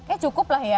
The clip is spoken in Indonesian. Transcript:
eh cukup lah ya